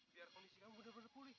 biar kamu juga mudah mudahan pulih